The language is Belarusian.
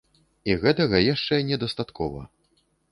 І гэтага яшчэ недастаткова!